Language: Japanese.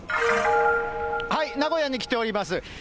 名古屋に来ております。